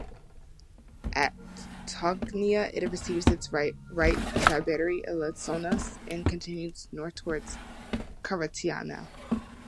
At Thoknia it receives its right tributary Elissonas, and continues north towards Karytaina.